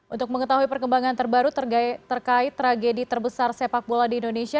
untuk mengetahui perkembangan terbaru terkait tragedi terbesar sepak bola di indonesia